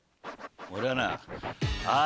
俺はなあ